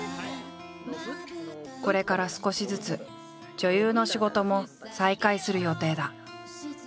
これから少しずつ女優の仕事も再開する予定だ。